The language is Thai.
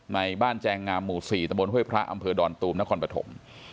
ในบ้านแจงงามหมู่๔ตะบนห้วยพระอำเภอดอนตูมนครปฐม